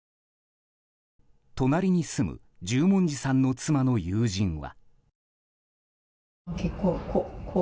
隣に住む十文字さんの妻の友人は。